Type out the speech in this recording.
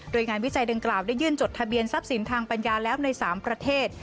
โดยงานวิจัยดังกล่าวได้ยื่นจดทะเบียนทรัพย์สินทางปัญญาแล้วใน๓ประเทศ